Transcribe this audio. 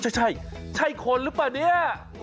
ใช่ใช่คนหรือเปล่าเนี่ย